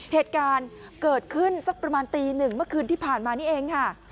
เหตุการณ์เกิดขึ้นสักประมาณตีหนึ่งเมื่อคืนที่ผ่านมานี่เองค่ะ